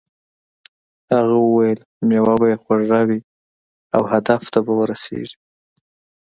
هغه وویل میوه به یې خوږه وي او هدف ته به ورسیږې.